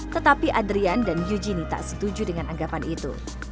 tetapi adrian dan eugenie tak setuju dengan anggapan itu